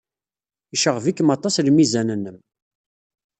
Yecɣeb-ikem aṭas lmizan-nnem.